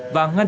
và ngăn chặn